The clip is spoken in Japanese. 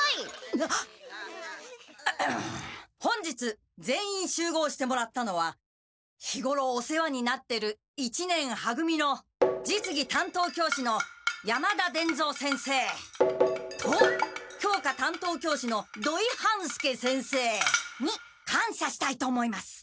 本日全員集合してもらったのは日ごろお世話になってる一年は組の実技担当教師の山田伝蔵先生と教科担当教師の土井半助先生に感しゃしたいと思います。